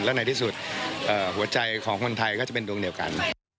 และในที่สุดหัวใจของคนไทยก็จะเป็นดวงเดียวกัน